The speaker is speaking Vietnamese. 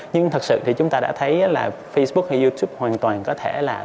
nhưng thật sự thì chúng ta đã thấy là facebook hay youtube hoàn toàn có thể là